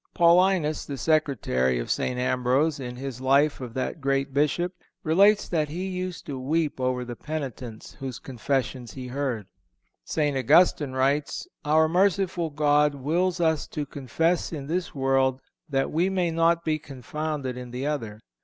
(448) Paulinus, the secretary of St. Ambrose, in his life of that great Bishop relates that he used to weep over the penitents whose confessions he heard. St. Augustine writes: "Our merciful God wills us to confess in this world that we may not be confounded in the other."